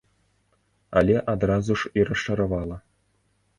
Але адразу ж і расчаравала.